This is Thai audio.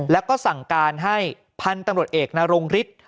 แล้วก็สั่งการให้พันธุ์ตำรวจเอกนรงฤทธิ์